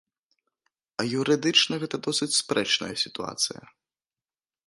А юрыдычна гэта досыць спрэчная сітуацыя.